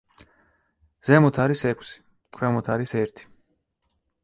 ზემოთ არის ექვსი, ქვემოთ არის ერთი.